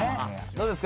どうですか？